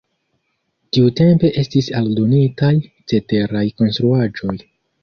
Tiutempe estis aldonitaj ceteraj konstruaĵoj.